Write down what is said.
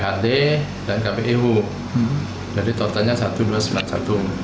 jadi totalnya seribu dua ratus sembilan puluh satu